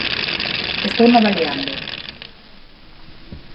Estouno avaliando.